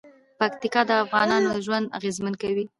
پکتیکا د افغانانو ژوند اغېزمن کوي.